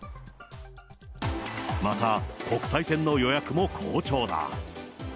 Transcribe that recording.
また国際線の予約も好調だ。